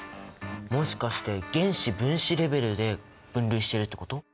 もしかして原子・分子レベルで分類してるってこと？